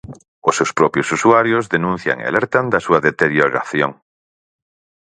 Os seus propios usuarios denuncian e alertan da súa deterioración.